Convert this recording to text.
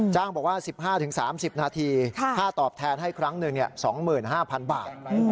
บอกว่า๑๕๓๐นาทีค่าตอบแทนให้ครั้งหนึ่ง๒๕๐๐๐บาท